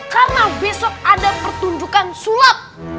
karena besok ada pertunjukan sulap